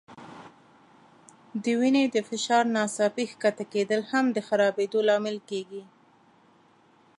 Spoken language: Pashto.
د وینې د فشار ناڅاپي ښکته کېدل هم د خرابېدو لامل کېږي.